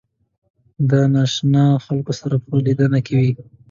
دا د نااشنا خلکو سره په لیدنه کې وي.